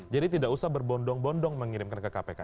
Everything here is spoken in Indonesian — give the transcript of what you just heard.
jadi tidak usah berbondong bondong mengirimkan ke kpk